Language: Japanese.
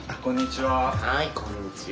はいこんにちは。